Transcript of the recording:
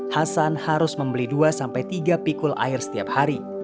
hasan harus membeli dua sampai tiga pikul air setiap hari